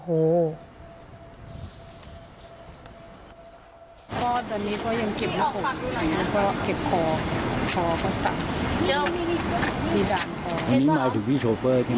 โอ้โห